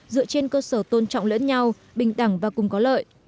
dựa trên cơ sở tôn trọng lẫn nhau bình đẳng và cùng có lợi